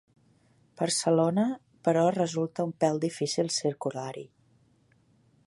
Barcelona, però resulta un pèl difícil circular-hi.